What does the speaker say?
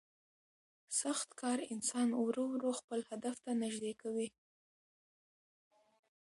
سخت کار انسان ورو ورو خپل هدف ته نږدې کوي